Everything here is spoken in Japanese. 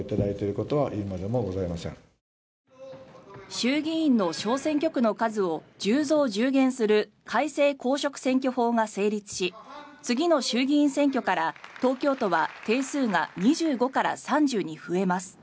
衆議院の小選挙区の数を１０増１０減する改正公職選挙法が成立し次の衆議院選挙から、東京都は定数が２５から３０に増えます。